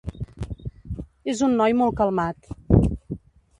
És un noi molt calmat.